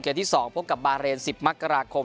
ที่๒พบกับบาเรน๑๐มกราคม